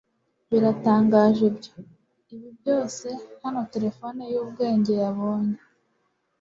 biratangaje ibyo ibi byose hano terefone yubwenge yabonye